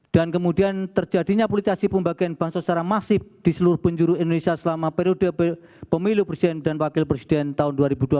dan kemudian terjadinya politisasi pembagian bansos secara masif di seluruh penjuru indonesia selama periode pemilu presiden dan wakil presiden tahun dua ribu dua belas